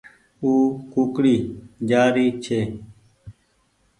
او ڪوڪڙي جآري ڇي